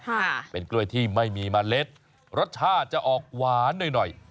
ค่ะเป็นกล้วยที่ไม่มีเมล็ดรสชาติจะออกหวานหน่อยหน่อย